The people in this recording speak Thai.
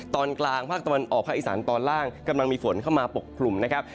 ตอนกลางภาคตะวันออกภาคอีสานตอนล่างกำลังมีฝนเข้ามาปกคลุมนะครับ